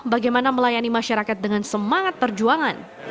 bagaimana melayani masyarakat dengan semangat perjuangan